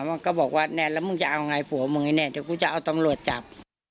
มันก็บอกว่าเนี่ยแล้วมึงจะเอาไงผัวมึงเนี่ยเดี๋ยวกูจะเอาตำรวจจับ